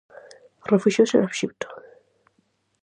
Refuxiouse en Exipto.